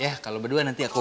ya kalau berdua nanti aku